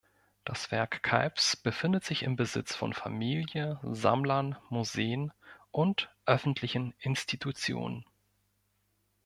Das Werk Kalbs befindet sich im Besitz von Familie, Sammlern, Museen und öffentlichen Institutionen.